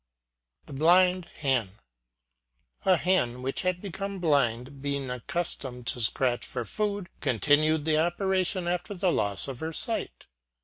THE BLIND HEN. A hen, which had become blind, being accustomed to scratch for food, continued the operation after the loss of her sight.